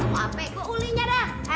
sekarang kita bertempur secara gentlewoman